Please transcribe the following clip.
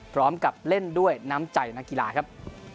พร้อมกับเล่นด้วยน้ำใจนักกีฬาครับ